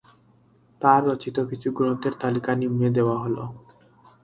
তার রচিত কিছু গ্রন্থের তালিকা নিম্নে দেয়া হল।